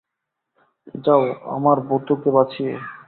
যাও আমার ভূতোকে বাঁচিয়ে?